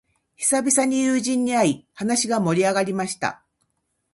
久々に友人に会い、話が盛り上がりました。